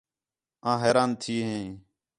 آں حیران تھی ہیں